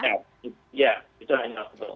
ya ya itu hanya oknum